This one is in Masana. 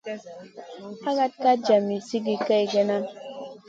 Hakak ka djami sigi kegena.